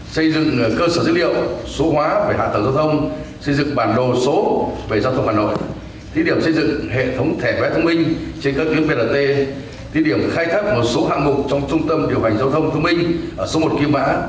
xây dựng cơ sở dữ liệu số hóa về hạ tầng giao thông xây dựng bản đồ số về giao thông hà nội